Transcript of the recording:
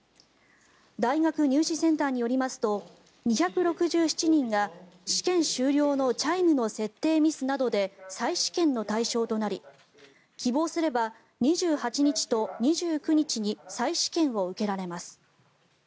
大学入試センターによりますと２６７人が試験終了のチャイムの設定ミスなどで再試験の対象となり希望すれば２８日と２９日に再試験を受けられます。